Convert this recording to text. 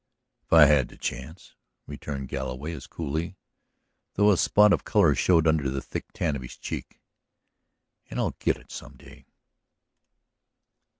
"If I had the chance," returned Galloway as coolly, though a spot of color showed under the thick tan of his cheek. "And I'll get it some day."